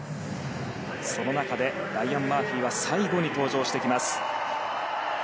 その中でライアン・マーフィーは最後に登場してきます。